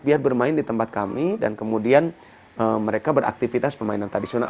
biar bermain di tempat kami dan kemudian mereka beraktivitas permainan tradisional